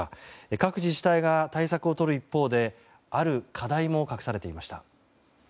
各自治体が対策をとる一方である課題も隠されていました。